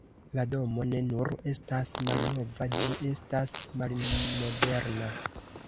La domo ne nur estas malnova, ĝi estas malmoderna.